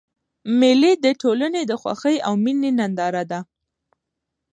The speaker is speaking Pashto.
مېلې د ټولني د خوښۍ او میني ننداره ده.